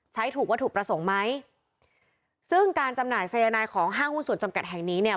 ใช้ถูกวัตถุประสงค์ไหมซึ่งการจำหน่ายสายนายของห้างหุ้นส่วนจำกัดแห่งนี้เนี่ย